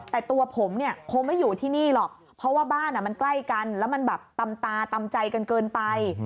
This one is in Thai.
แต่ตัวผมเนี่ยคงไม่อยู่ที่นี่หรอกเพราะว่าบ้านมันใกล้กันแล้วมันแบบตำตาตำใจกันเกินไป